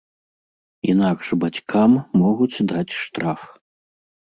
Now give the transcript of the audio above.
Інакш бацькам могуць даць штраф.